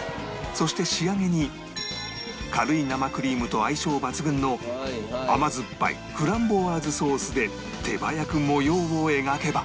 そして仕上げに軽い生クリームと相性抜群の甘酸っぱいフランボワーズソースで手早く模様を描けば